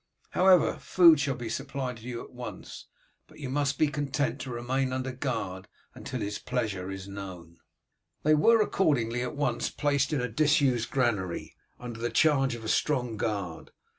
However, food shall be supplied you at once, but you must be content to remain under guard until his pleasure is known." They were accordingly at once placed in a disused granary, under the charge of a strong guard.